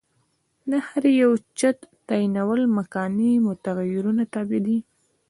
د هر یوه چت تعینول مکاني متغیرونو تابع دي.